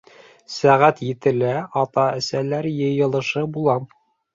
Сәғәт етелә ата-әсәләр йыйылышы була.